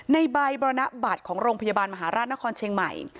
ในใบบรรณบัตรของโรงพยาบาลมหาราชนครเชียงใหม่